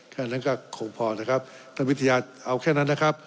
แค่นั้นก็คงพอนะครับท่านวิทยาเอาแค่นั้นนะครับ